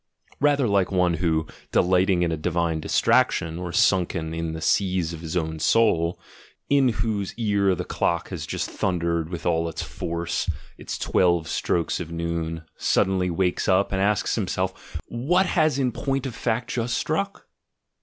Rather like one who, delighting in a divine distraction, or sunken in the seas of his own soul, in whose ear the clock has just thundered with all its force its twelve strokes of noon, suddenly wakes up, and asks himself, "What has in point of fact just struck?"